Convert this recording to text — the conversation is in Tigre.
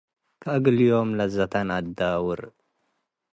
ከእግል ዮም ለዘተ ነአዳውር።-